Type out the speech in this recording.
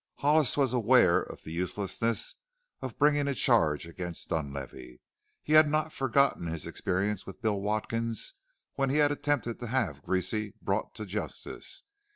Hollis was aware of the uselessness of bringing a charge against Dunlavey he had not forgotten his experience with Bill Watkins when he had attempted to have Greasy brought to justice.